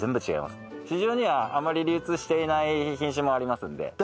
市場にはあまり流通していない品種もありますので。